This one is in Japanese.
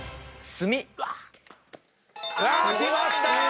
きました！